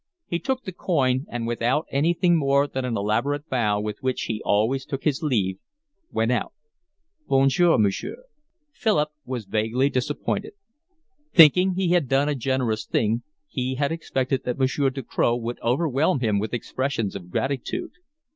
He took the coin and, without anything more than the elaborate bow with which he always took his leave, went out. "Bonjour, monsieur." Philip was vaguely disappointed. Thinking he had done a generous thing, he had expected that Monsieur Ducroz would overwhelm him with expressions of gratitude.